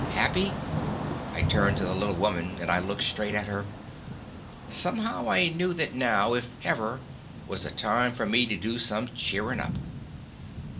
Happy? I turned to the little woman, and I looked straight at her. Somehow I knew that now, if ever, was a time for me to do some cheering up.